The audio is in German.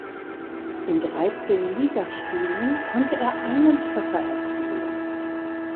In dreizehn Ligaspielen konnte er einen Treffer erzielen.